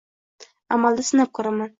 Amalda sinab ko’rman.